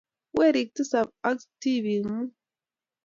Weriik tisap ak tibiik somok.